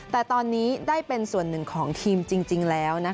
แต่ตอนนี้ได้เป็นส่วนหนึ่งของทีมจริงแล้ว